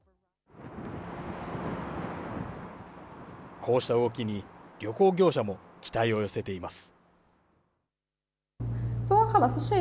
こうした動きに、旅行業者も期待を寄せています。